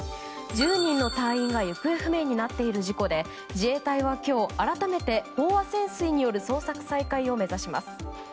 １０人の隊員が行方不明になっている事故で自衛隊は今日改めて飽和潜水による捜索再開を目指します。